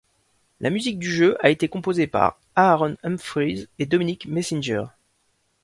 La musique du jeu a été composée par Aaron Humphries et Dominic Messinger.